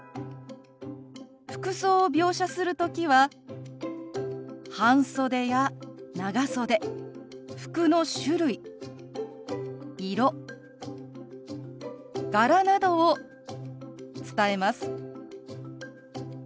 服装を描写する時は半袖や長袖服の種類色柄などを伝えます。